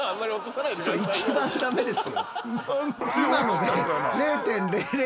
一番ダメです。